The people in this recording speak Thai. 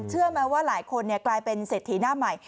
เชื่อไหมว่าหลายคนกลายเป็นเศรษฐีหน้าใหม่